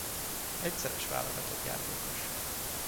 Egyszeres válogatott játékos.